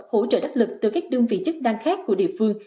hỗ trợ đắc lực từ các đơn vị chức năng khác của địa phương